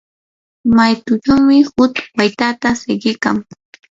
maytuchawmi huk waytata siqikan.